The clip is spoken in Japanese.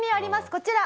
こちら。